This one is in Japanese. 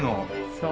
そう。